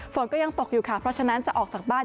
ฝนก็ยังตกอยู่ค่ะเพราะฉะนั้นจะออกจากบ้าน